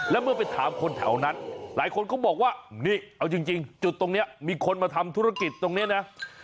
แล้วเมื่อไปถามคนแถวนั้นหลายคนก็บอกว่านี่เอาจริงจุดตรงนี้มีคนมาทำธุรกิจตรงนี้นะ